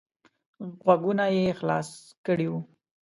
غوږونه یې خلاص کړي وو.